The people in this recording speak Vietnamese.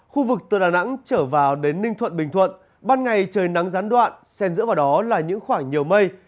khu vực từ đà nẵng trở vào đến ninh thuận bình thuận ban ngày trời nắng gián đoạn sen giữa vào đó là những khoảng nhiều mây